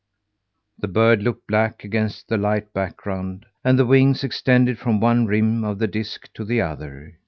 The bird looked black against the light background, and the wings extended from one rim of the disc to the other.